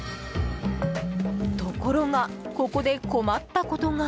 ところが、ここで困ったことが。